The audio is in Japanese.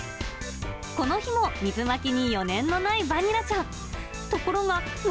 この日も水まきに余念のないバニラちゃん。